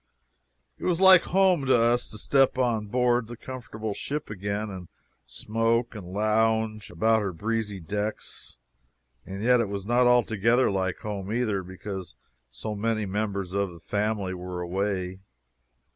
It was like home to us to step on board the comfortable ship again and smoke and lounge about her breezy decks. And yet it was not altogether like home, either, because so many members of the family were away.